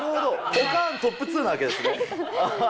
ポカーントップ２なわけですね。